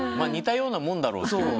似たようなもんだろうと。